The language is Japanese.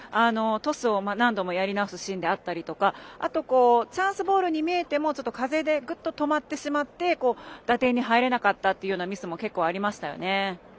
トスを何度もやり直すシーンであったりとかあと、チャンスボールに見えても風でぐっと止まってしまって打点に入れなかったというようなミスも結構ありましたよね。